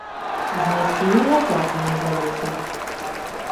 Знайсці яго так і не ўдалося.